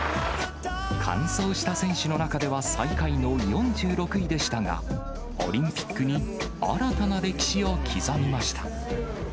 完走した選手の中では、最下位の３、４６位でしたが、オリンピックに新たな歴史を刻みました。